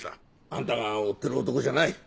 あんたが追ってる男じゃない！